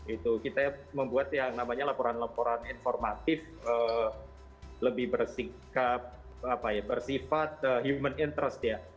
itu kita membuat yang namanya laporan laporan informatif lebih bersikap bersifat human interest ya